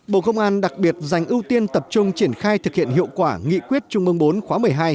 bộ công an đặc biệt dành ưu tiên tập trung triển khai thực hiện hiệu quả nghị quyết trung ương bốn khóa một mươi hai